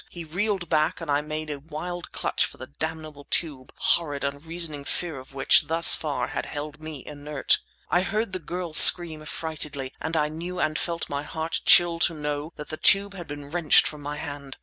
He reeled back, and I made a wild clutch for the damnable tube, horrid, unreasoning fear of which thus far had held me inert. I heard the girl scream affrightedly, and I knew, and felt my heart chill to know, that the tube had been wrenched from my hand!